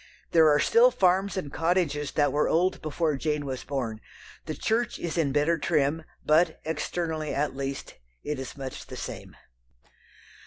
There are still farms and cottages that were old before Jane was born. The church is in better trim, but, externally at least, it is much the same.